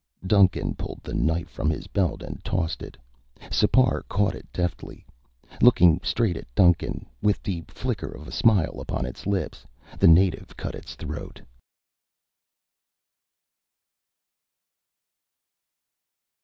Duncan pulled the knife from his belt and tossed it. Sipar caught it deftly. Looking straight at Duncan, with the flicker of a smile upon its lips, the native cut its throat.